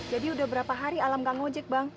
jadi udah berapa hari alam gak ngojek bang